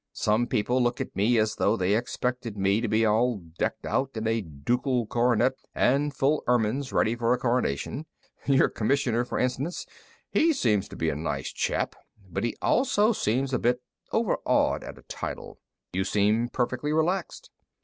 Some people look at me as though they expected me to be all decked out in a ducal coronet and full ermines, ready for a Coronation. Your Commissioner, for instance. He seems quite a nice chap, but he also seems a bit overawed at a title. You seem perfectly relaxed."